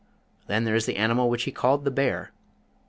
Then there is the animal which he called the Bear.